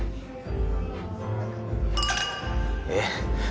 えっ？